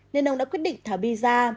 nên ông đã quyết định thả bi ra